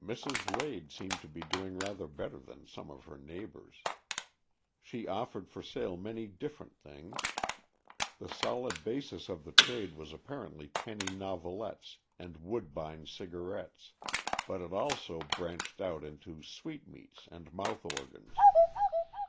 Mrs. Lade seemed to be doing rather better than some of her neighbours. She offered for sale many different things. The solid basis of the trade was apparently penny novelettes and Woodbine cigarettes, but it also branched out into sweetmeats and mouth organs.